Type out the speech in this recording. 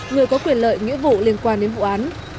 người có quyền lợi nghĩa vụ liên quan đến vụ án